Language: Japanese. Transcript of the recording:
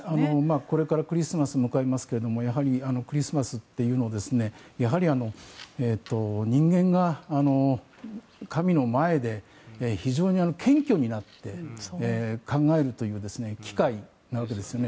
これからクリスマスを迎えますけどもやはりクリスマスというのは人間が神の前で非常に謙虚になって考えるという機会なわけです。